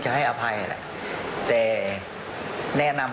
มันมีโอกาสเกิดอุบัติเหตุได้นะครับ